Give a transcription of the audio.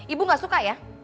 ibu gak suka ya